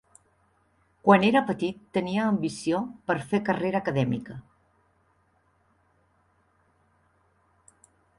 Quan era petit tenia ambició per fer carrera acadèmica.